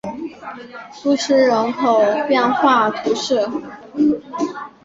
苏斯人口变化图示